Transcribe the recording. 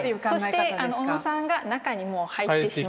そして小野さんが中にもう入ってしまう。